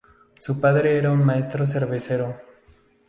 Su padre era un maestro cervecero.